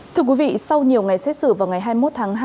thưa quý vị sau nhiều ngày xét xử vào ngày hai mươi một tháng hai